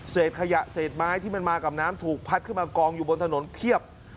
ขยะเศษไม้ที่มันมากับน้ำถูกพัดขึ้นมากองอยู่บนถนนเพียบ